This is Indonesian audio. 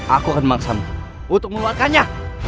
aku akan memaksamu untuk mengeluarkannya